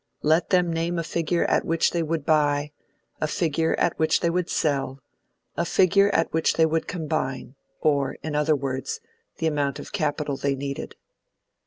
Let them name a figure at which they would buy, a figure at which they would sell, a figure at which they would combine, or, in other words, the amount of capital they needed.